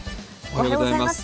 おはようございます。